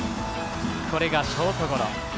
これがショートゴロ。